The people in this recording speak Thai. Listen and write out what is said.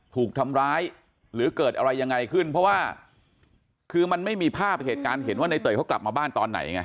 ถูกทำร้ายหรือเกิดอะไรยังไงขึ้นเพราะว่าคือมันไม่มีภาพเหตุการณ์เห็นว่าในเตยเขากลับมาบ้านตอนไหนไง